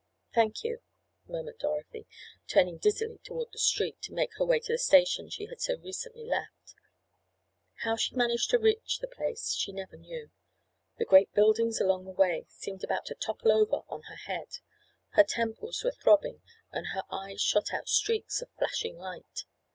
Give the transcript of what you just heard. "Thank you," murmured Dorothy, turning dizzily toward the street to make her way to the station she had so recently left. How she managed to reach the place she never knew. The great buildings along the way seemed about to topple over on her head. Her temples were throbbing and her eyes shot out streaks of flashing light.